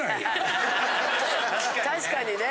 確かにね。